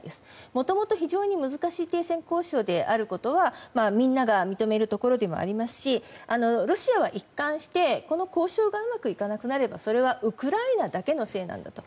もともと非常に難しい停戦交渉であることはみんなが認めるところでありますしロシアは一貫してこの交渉がうまくいかなければそれはウクライナだけのせいなのだと。